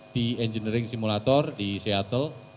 di engineering simulator di seattle